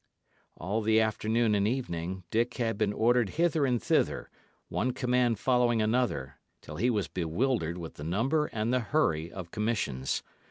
All the afternoon and evening, Dick had been ordered hither and thither, one command following another, till he was bewildered with the number and the hurry of commissions.